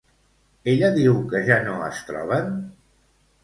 Ella diu que ja no es troben?